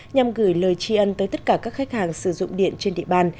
nhằm gửi lời tri ân tới tất cả các khách hàng sử dụng điện trên địa bàn